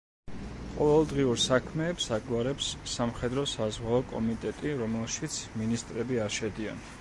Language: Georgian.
ყოველდღიურ საქმეებს აგვარებს სამხედრო-საზღვაო კომიტეტი, რომელშიც მინისტრები არ შედიან.